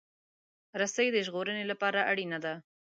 رسۍ د ژغورنې لپاره اړینه ده.